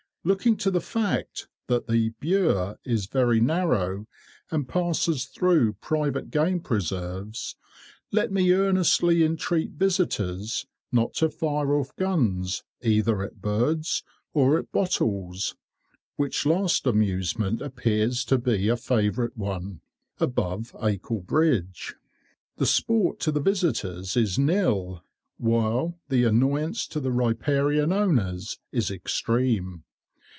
Looking to the fact that the Bure is very narrow, and passes through private game preserves, let me earnestly entreat visitors not to fire off guns either at birds or at bottles (which last amusement appears to be a favourite one) above Acle bridge. The sport to the visitors is nil, while the annoyance to the riparian owners is extreme.